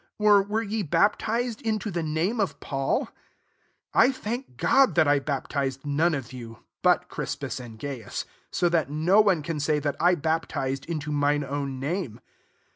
or were y« baptized into the name of Padl 14 I thank God that I baptitel none of you, but Crispus aol Gains : 15 so that no one carf say that I baptized into mintf own name.